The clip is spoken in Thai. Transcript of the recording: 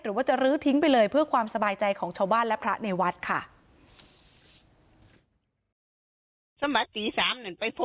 หรือว่าจะลื้อทิ้งไปเลยเพื่อความสบายใจของชาวบ้านและพระในวัดค่ะ